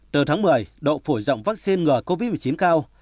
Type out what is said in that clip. từ tháng một mươi độ phổ rộng vaccine ngừa covid một mươi chín cao